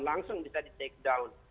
langsung bisa di take down